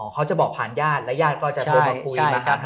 เขาจะบอกผ่านญาติและญาติก็จะโทรมาคุยนะครับ